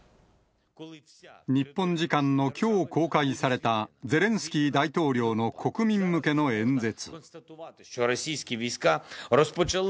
日本時間のきょう公開された、ゼレンスキー大統領の国民向けの演説。